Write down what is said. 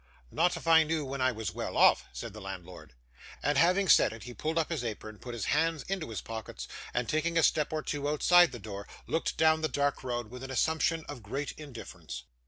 'Not if I knew when I was well off,' said the landlord. And having said it he pulled up his apron, put his hands into his pockets, and, taking a step or two outside the door, looked down the dark road with an assumption of great indifference.